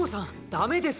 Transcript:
ダメです！